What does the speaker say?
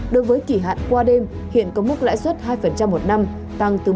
đối với kỳ hạn qua đêm hiện có mức lãi suất hai một năm tăng từ một tám lần